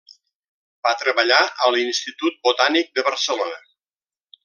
Va treballar a l'Institut Botànic de Barcelona.